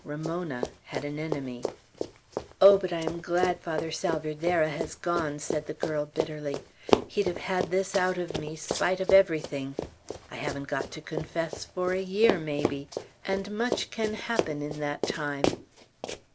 Ramona had an enemy. "Oh, but I am glad Father Salvierderra has gone!" said the girl, bitterly. "He'd have had this out of me, spite of everything. I haven't got to confess for a year, maybe; and much can happen in that time."